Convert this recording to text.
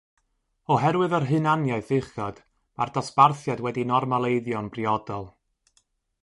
Oherwydd yr hunaniaeth uchod, mae'r dosbarthiad wedi'i normaleiddio'n briodol.